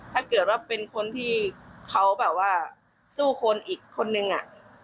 ถ้าเกิดว่าเป็นคนที่เขาแบบว่าสู้คนอีกคนนึงอ่ะ